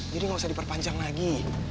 jadi gak usah diperpanjang lagi